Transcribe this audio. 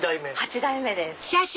８代目です。